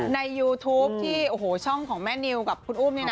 ยูทูปที่โอ้โหช่องของแม่นิวกับคุณอุ้ม